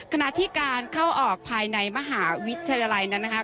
ขณะที่การเข้าออกภายในมหาวิทยาลัยธรรมศาสตร์นั้น